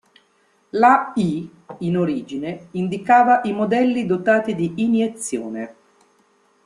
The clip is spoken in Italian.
La "i" in origine indicava i modelli dotati di iniezione.